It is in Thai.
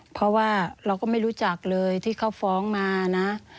เพราะว่าเราก็ไม่รู้จักเลยที่เขาฟ้องมานะ